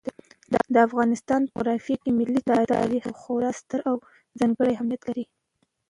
د افغانستان په جغرافیه کې ملي تاریخ یو خورا ستر او ځانګړی اهمیت لري.